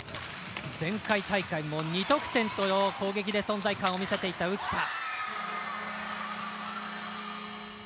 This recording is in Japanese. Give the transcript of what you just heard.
前回大会も２得点と攻撃で存在感を見せていた浮田。